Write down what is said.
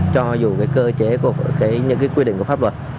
cho dù cái cơ chế những quy định của pháp luật